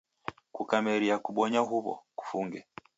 Kukameria kubonya huw'o, kufunge.